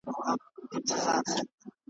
هره شېبه درس د قربانۍ لري .